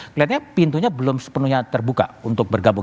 kelihatannya pintunya belum sepenuhnya terbuka untuk bergabung